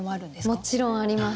もちろんあります。